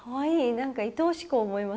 何かいとおしく思いますね